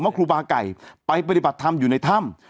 ครูบาไก่ไปปฏิบัติธรรมอยู่ในถ้ำ